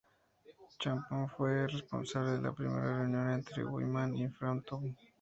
Chapman fue responsable de la primera reunión entre Wyman y Frampton.